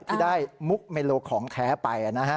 ที่ได้มุกเมโลของแท้ไป